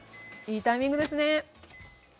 いいタイミングですね！